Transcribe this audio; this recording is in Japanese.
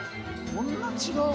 こんな違う？